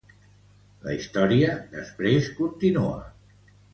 La història després continua.